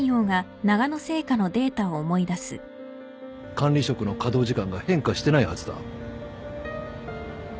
管理職の稼働時間が変化してないはずだ。